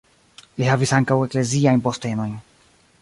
Li havis ankaŭ ekleziajn postenojn.